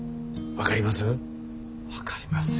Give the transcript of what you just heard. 分かります？